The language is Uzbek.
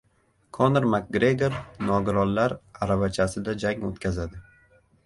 Konor Makgregor nogironlar aravachasida jang o‘tkazadi